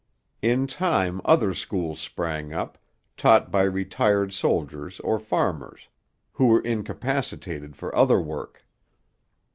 In time other schools sprang up, taught by retired soldiers or farmers who were incapacitated for other work.